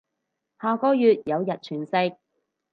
下個月有日全食